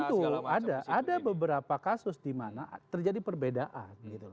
betul ada ada beberapa kasus di mana terjadi perbedaan